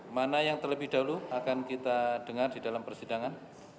mana yang terlebih dahulu akan kita dengar di dalam persidangan